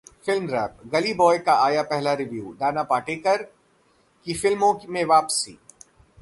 Film Wrap: Gully Boy का आया पहला रिव्यू, नाना पाटेकर की फिल्मों में वापसी